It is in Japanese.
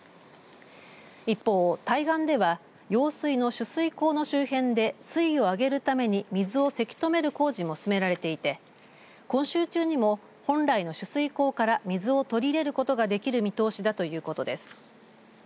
一方、対岸では用水の取水口の周辺で水位を上げるために水をせき止める工事も進められていて今週中にも本来の取水口から水を取り入れることができる見通しだということです。